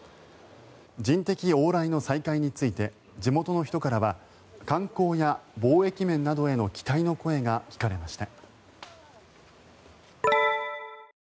人的往来の再開について地元の人からは観光や貿易面などへの期待の声が聞かれました。